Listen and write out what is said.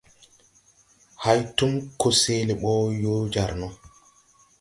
Hay túm ko sɛɛle bɔ yo jar no.